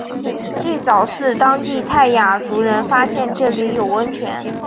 最早是当地泰雅族人发现这里有温泉。